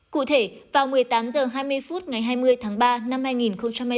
cụ thể vào một mươi tám h hai mươi phút ngày hai mươi tháng ba năm hai nghìn hai mươi